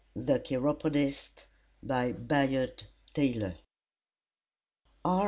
THE CHIROPODIST By BAYARD TAYLOR R.